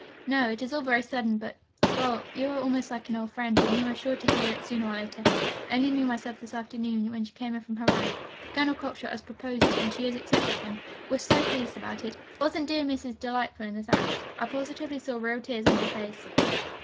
'No, it is all very sudden; but, well, you are almost like an old friend, and you are sure to hear it sooner or later. I only knew myself this afternoon, when she came in from her ride. Colonel Cockshott has proposed and she has accepted him. We're so pleased about it. Wasn't dear Mrs. delightful in that last act? I positively saw real tears on her face!'